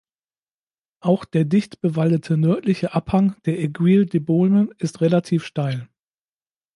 Auch der dicht bewaldete nördliche Abhang der Aiguilles de Baulmes ist relativ steil.